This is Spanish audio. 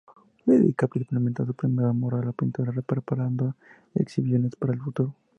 Se dedica principalmente a su primer amor, la pintura, preparando exhibiciones para el futuro.